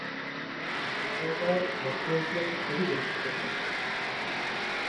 আতিথেয়তা মধ্য এশিয়ায় খুবই গুরুত্বপূর্ণ।